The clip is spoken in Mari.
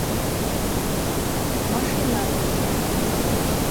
Машина дене...